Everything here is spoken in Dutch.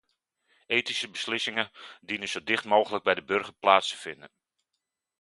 Ethische beslissingen dienen zo dicht mogelijk bij de burger plaats te vinden.